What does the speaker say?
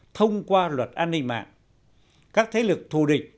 thông qua luật an ninh mạng các thế lực thù địch